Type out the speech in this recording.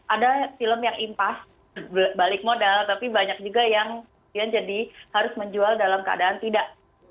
ada film yang impas balik modal tapi banyak juga yang jadi harus menjual dalam keadaan tidak